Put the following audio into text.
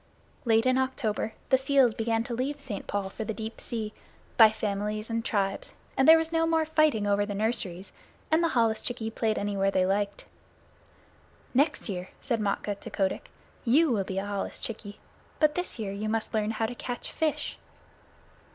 Late in October the seals began to leave St. Paul's for the deep sea, by families and tribes, and there was no more fighting over the nurseries, and the holluschickie played anywhere they liked. "Next year," said Matkah to Kotick, "you will be a holluschickie; but this year you must learn how to catch fish."